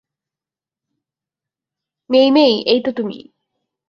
মেই-মেই, এইতো তুমি।